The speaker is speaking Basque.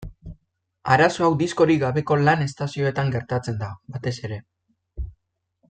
Arazo hau diskorik gabeko lan-estazioetan gertatzen da, batez ere.